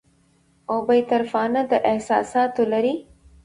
او بې طرفانه، د احساساتو لرې